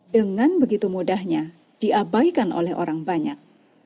dengan begitu mudahnya diabaikan oleh orang banyak